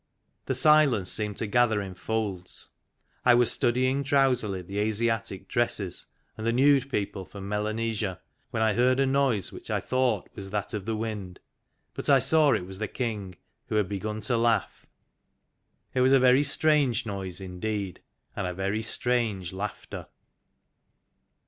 The silence seemed to gather in folds. I was studying drowsily the Asiatic dresses and the nude people from Melanesia, when I heard a noise which I thought was that of the Wind. But I saw it was the King, who had begun to laugh. It was a very strange noise indeed, and very strange laughter..